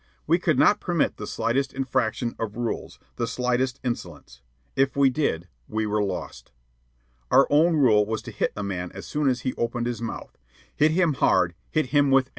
We could not permit the slightest infraction of rules, the slightest insolence. If we did, we were lost. Our own rule was to hit a man as soon as he opened his mouth hit him hard, hit him with anything.